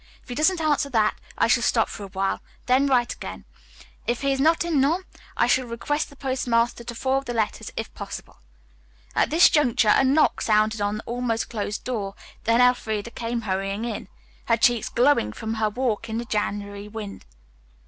If he doesn't answer that, I shall stop for a while, then write again. If he is not in Nome I shall request the post master to forward the letters, if possible." At this juncture a knock sounded on the almost closed door, then Elfreda came hurrying in, her cheeks glowing from her walk in the January wind.